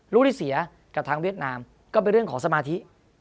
ลูกที่เสียกับทางเวียดนามก็เป็นเรื่องของสมาธิ